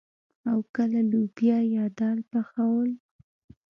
او کله لوبيا يا دال پخول.